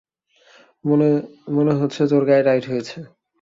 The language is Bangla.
মনে হচ্ছে তোর গায়ে টাইট হয়েছে।